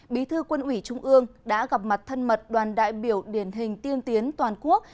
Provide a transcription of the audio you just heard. bí thư quân ủy trung ương đã gặp mặt thân mật đoàn đại biểu điển hình tiên tiến toàn quốc